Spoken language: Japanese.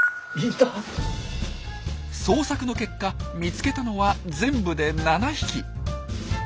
捜索の結果見つけたのは全部で７匹。